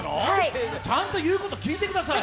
ちゃんと言うこと聞いてください。